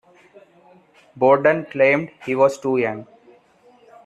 Bordat claimed he was too young.